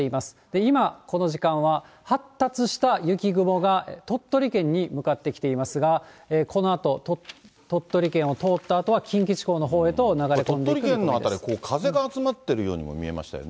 今、この時間は発達した雪雲が鳥取県に向かってきていますが、このあと鳥取県を通ったあとは、近畿地方のほうへと流れ込んでき鳥取県の辺り、風が集まっているようにも見えましたよね。